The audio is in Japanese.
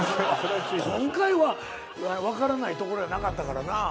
今回は分からないところではなかったからな。